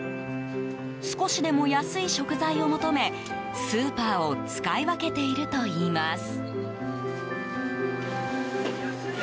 少しでも安い食材を求めスーパーを使い分けているといいます。